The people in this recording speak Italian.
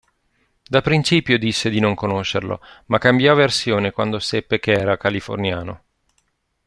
Da principio disse di non conoscerlo, ma cambiò versione quando seppe che era californiano.